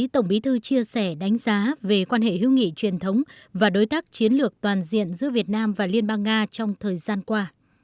tổng bí thư chia sẻ đánh giá về quan hệ hữu nghị truyền thống và đối tác chiến lược toàn diện giữa việt nam và liên bang nga trong thời gian qua